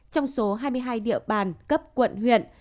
trong số hai mươi hai địa bàn cấp quận huyện